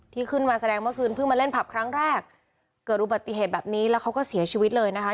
ที่ขึ้นมาแสดงเมื่อคืนเพิ่งมาเล่นผับครั้งแรกเกิดอุบัติเหตุแบบนี้แล้วเขาก็เสียชีวิตเลยนะคะ